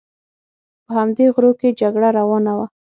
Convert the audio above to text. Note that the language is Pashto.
په همدې غرو کې جګړه روانه وه.